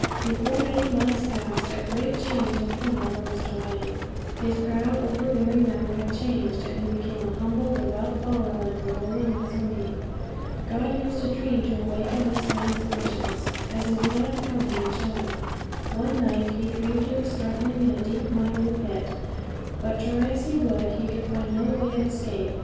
Before many months passed a great change had come over Mr. Wang; his proud, overbearing manner had changed, and he became a humble, devout follower of the lowly Nazarene. God used a dream to awaken this man's conscience as is not uncommon in China. One night he dreamed he was struggling in a deep, miry pit; but try as he would he could find no way of escape.